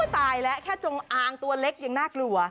ตายแล้วแค่จงอางตัวเล็กยังน่ากลัว